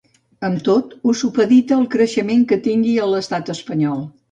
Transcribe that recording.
Amb tot, ho supedita al creixement que tingui a l’estat espanyol.